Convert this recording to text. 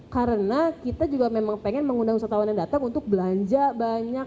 karena kita juga memang pengen mengundang wisatawan yang datang untuk belanja banyak